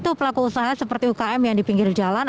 itu pelaku usaha seperti ukm yang di pinggir jalan